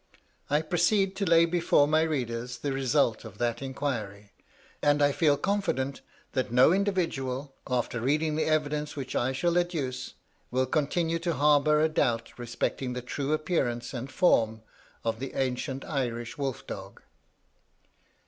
I proceed to lay before my readers the result of that inquiry, and I feel confident that no individual, after reading the evidence which I shall adduce, will continue to harbour a doubt respecting the true appearance and form of the ancient Irish wolf dog.